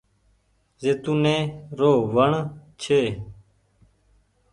زيتونٚي رو وڻ ڇي۔